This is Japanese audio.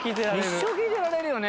一生聴いてられるよね。